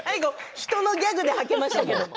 人のギャグではけましたよ。